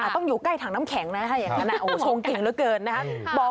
ต้องอยู่ใกล้ถังน้ำแข็งนะถ้าอย่างนั้นชงเก่งเหลือเกินนะครับ